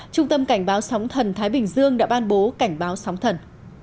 trung tâm cảnh báo sóng thần thái bình dương đã ban bố cảnh báo sóng thần